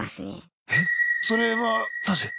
えっそれはなぜ？